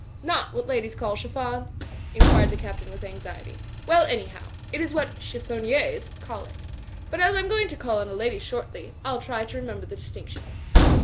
"Not what ladies call chiffon?" inquired the Cap tain with anxiety. "Well, anyhow, it is what chiffon iers call it. But as I'm going to call on a lady shortly, I'll try to remember the distinction."